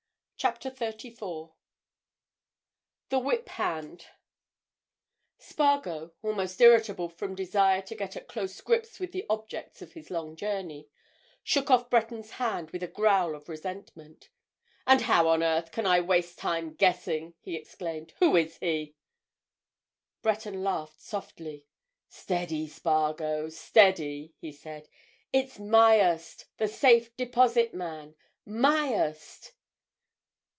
CHAPTER THIRTY FOUR THE WHIP HAND Spargo, almost irritable from desire to get at close grips with the objects of his long journey, shook off Breton's hand with a growl of resentment. "And how on earth can I waste time guessing?" he exclaimed. "Who is he?" Breton laughed softly. "Steady, Spargo, steady!" he said. "It's Myerst—the Safe Deposit man. Myerst!"